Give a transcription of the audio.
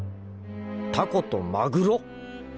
タコとマグロ！？